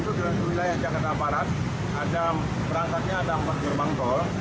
untuk gerbang tol di jakarta barat berangkatnya ada empat gerbang tol